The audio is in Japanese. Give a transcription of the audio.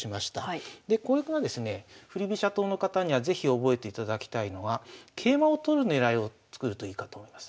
党の方には是非覚えていただきたいのは桂馬を取る狙いを作るといいかと思います。